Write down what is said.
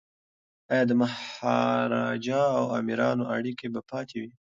ایا د مهاراجا او امیرانو اړیکي به پاتې وي؟